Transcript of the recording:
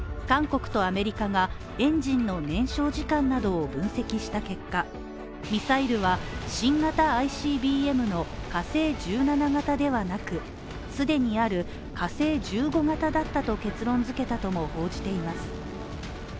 韓国とアメリカがエンジンの燃焼時間などを分析した結果ミサイルは新型ＩＣＢＭの火星１７型ではなく、既にある火星１５型だったと結論づけたとも報じています。